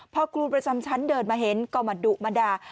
พอครูประจำชั้นเดินมาเห็นก็มาดุมาด่า